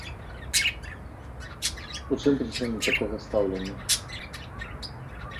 У чым прычына такога стаўлення?